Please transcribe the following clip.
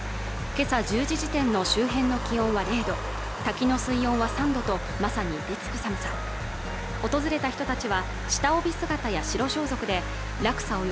今朝１０時時点の周辺の気温は０度滝の水温は３度とまさにいてつく寒さ訪れた人たちは下帯姿や白装束で落差